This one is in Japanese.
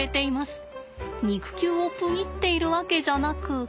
肉球をプニっているわけじゃなく。